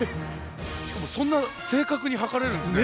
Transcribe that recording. しかもそんな正確に測れるんですね。